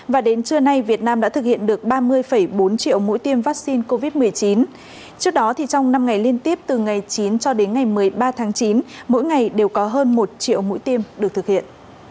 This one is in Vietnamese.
và đến trưa nay việt nam đã thực hiện được ba mươi bốn triệu mũi tiêm vaccine covid một mươi chín trước đó trong năm ngày liên tiếp từ ngày chín cho đến ngày một mươi ba tháng chín mỗi ngày đều có hơn một triệu mũi tiêm được thực hiện